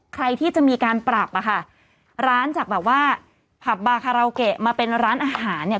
ใครที่จะมีการปรับอ่ะค่ะร้านจากแบบว่าผับบาคาราโอเกะมาเป็นร้านอาหารเนี่ย